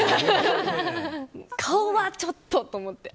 顔はちょっと、と思って。